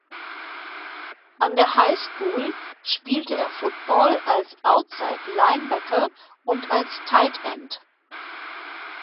An der Highschool spielte er Football als Outside Linebacker und als Tight End.